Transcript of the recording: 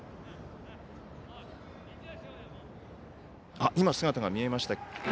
あっ今姿が見えました。